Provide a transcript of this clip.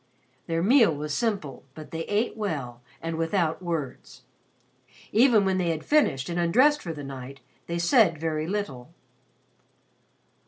'" Their meal was simple but they ate well and without words. Even when they had finished and undressed for the night, they said very little.